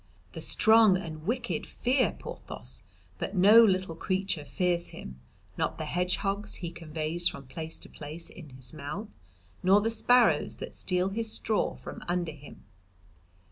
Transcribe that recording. The strong and wicked fear Porthos but no little creature fears him, not the hedgehogs he conveys from place to place in his mouth, nor the sparrows that steal his straw from under him.